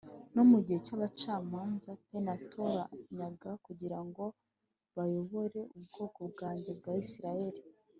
no mu gihe cy abacamanza p natoranyaga kugira ngo bayobore ubwoko bwanjye bwa Isirayeli